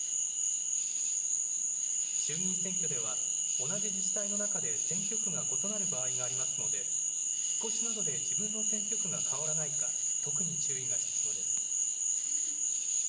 衆議院選挙では同じ自治体の中で選挙区が異なる場合がありますので引っ越しなどで自分の選挙区が変わらないか特に注意が必要です。